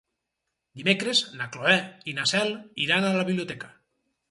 Dimecres na Cloè i na Cel iran a la biblioteca.